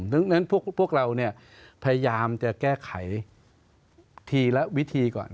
ดังนั้นพวกเราเนี่ยพยายามจะแก้ไขทีละวิธีก่อน